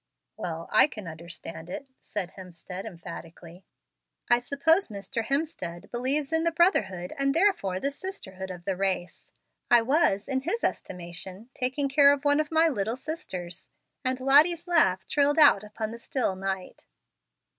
"Well, I can understand it," said Hemstead, emphatically. "I suppose Mr. Hemstead believes in the brotherhood, and therefore the sisterhood of the race. I was, in his estimation, taking care of one of my little sisters "; and Lottie's laugh trilled out upon the still night.